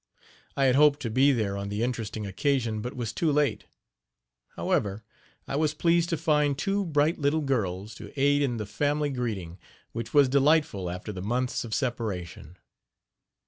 I had hoped to be there on the interesting occasion, but was too late. However, I was pleased to find two bright little girls to aid in the family greeting, which was delightful after the months of separation.